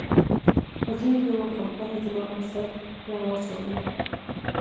هغې یوه کمپله زما په سر را واچوله